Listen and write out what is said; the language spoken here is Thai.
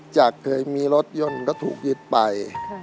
จากเคยมีรถยนต์ก็ถูกยึดไป